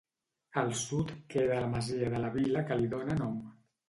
Al sud queda la masia de la Vila que li dóna nom.